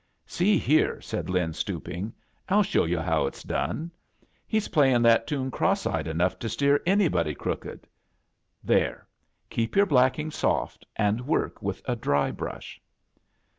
"See here," said Lin, stooping, "FU show yu* how it's done. He's playin' that toon cross eyed enough to steer anybody crooked. There. Keep your blackii^ soft and wwk with a dry brush."